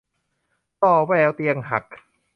ส่อแววเตียงหัก